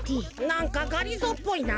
なんかがりぞーっぽいな。